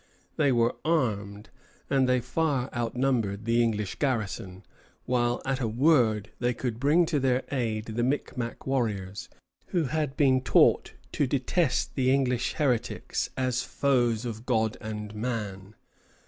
They were armed, and they far outnumbered the English garrison; while at a word they could bring to their aid the Micmac warriors, who had been taught to detest the English heretics as foes of God and man.